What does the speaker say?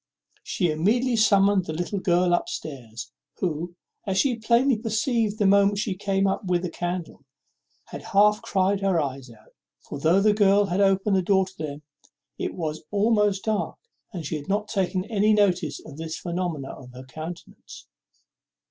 She immediately summoned her little girl up stairs, who, as she plainly perceived the moment she came up with a candle, had half cried her eyes out; for, though the girl had opened the door to them, as it was almost dark, she had not taken any notice of this phenomenon in her countenance.